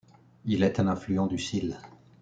Il est un affluent du Sil.